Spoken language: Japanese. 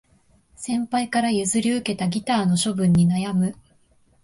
先輩から譲り受けたギターの処分に悩む